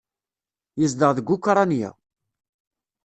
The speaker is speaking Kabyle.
Yezdeɣ deg Ukṛanya.